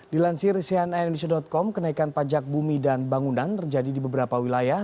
dilansir cnn indonesia com kenaikan pajak bumi dan bangunan terjadi di beberapa wilayah